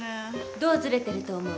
どうずれてると思う？